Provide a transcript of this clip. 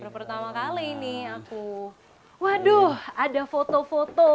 pertama kali nih aku waduh ada foto foto